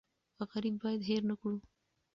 غریب باید هېر نکړو.